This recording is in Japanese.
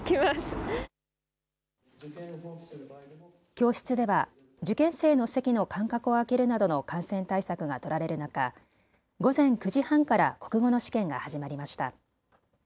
教室では受験生の席の間隔を空けるなどの感染対策が取られる中、午前９時半から国語の試験が始まりました。